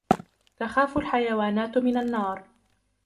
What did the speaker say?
تخاف الحيوانات من النار.